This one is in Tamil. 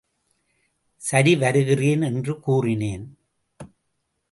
சரிவருகிறேன் என்று கூறினேன்.